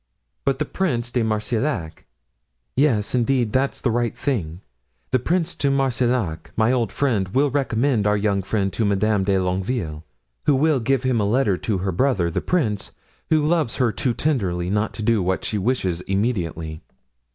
But the Prince de Marsillac! Yes, indeed, that's the right thing. The Prince de Marsillac—my old friend—will recommend our young friend to Madame de Longueville, who will give him a letter to her brother, the prince, who loves her too tenderly not to do what she wishes immediately."